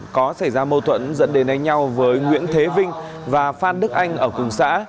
có xảy ra mâu thuẫn dẫn đến đánh nhau với nguyễn thế vinh và phan đức anh ở cùng xã